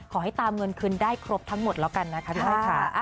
ขอให้ตามเงินคืนได้ครบทั้งหมดแล้วกันนะคะ